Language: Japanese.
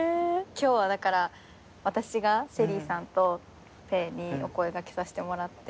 今日はだから私がＳＨＥＬＬＹさんとぺえにお声掛けさせてもらって。